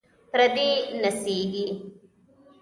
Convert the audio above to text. پردې نڅیږي